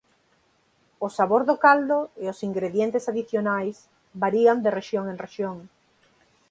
O sabor do caldo e os ingredientes adicionais varían de rexión en rexión.